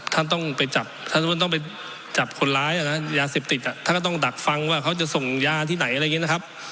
ถ้าต้องไปจับคนร้ายยาเสพติดถ้าก็ต้องดักฟังว่าเขาจะส่งยาที่ไหน